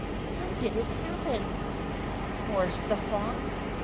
How did it happen ?" chorused the frogs.